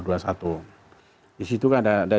disitu kan ada